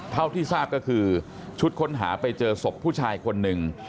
เท่าที่ทราบก็คือชุดค้นหาไปเจอศพผู้ชายคนหนึ่ง